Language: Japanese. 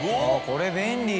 これ便利。